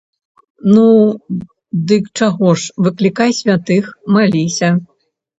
Ну, дык чаго ж, выклікай святых, маліся.